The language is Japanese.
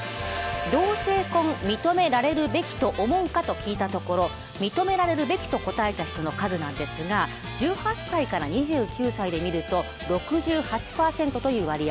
「同性婚認められるべきと思うか」と聞いたところ認められるべきと答えた人の数なんですが１８歳から２９歳で見ると６８％という割合。